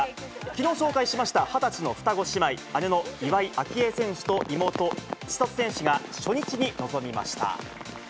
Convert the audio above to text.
きのう紹介しました、２０歳の双子姉妹、姉の岩井明愛選手と妹、千怜選手が、初日に臨みました。